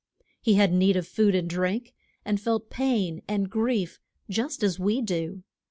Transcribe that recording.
He had need of food and drink, and felt pain and grief just as we do.